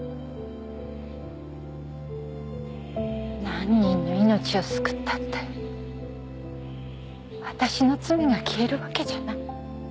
何人の命を救ったって私の罪が消えるわけじゃない。